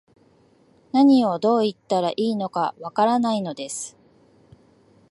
何を、どう言ったらいいのか、わからないのです